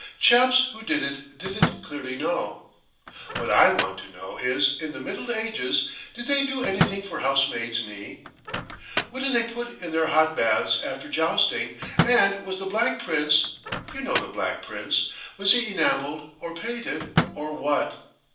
Chaps who did it didn't clearly know.... What I want to know is, in the Middle Ages, did they do anything for Housemaid's Knee? What did they put in their hot baths after jousting, and was the Black Prince—you know the Black Prince—was he enameled or painted, or what?